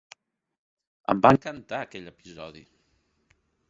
Em va encantar aquell episodi!